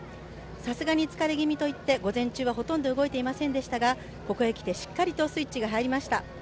さすがに疲れ気味といって、午前中はほとんど動いていませんでしたがここへきてしっかりとスイッチが入りました。